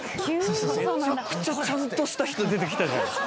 めちゃくちゃちゃんとした人出てきたじゃん。